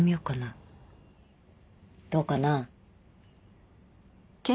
どうかな？